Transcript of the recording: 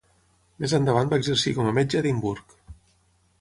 Més endavant va exercir com a metge a Edimburg.